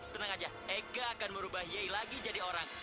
tenang aja ega akan merubah yei lagi jadi orang